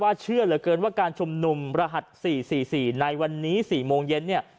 เชื่อเหลือเกินว่าการชุมนุมรหัส๔๔ในวันนี้๔โมงเย็นเนี่ย